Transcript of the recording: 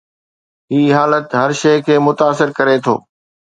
هي حالت هر شيء کي متاثر ڪري ٿو.